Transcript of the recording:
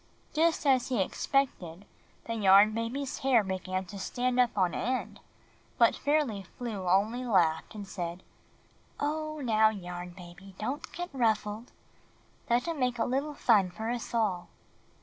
Just as he expected, the Yarn Baby's hair began to stand up on end; but Fairly Flew only laughed and said, "Oh, now, Yarn Baby, don't get ruffled. Let him make a little fun for us all."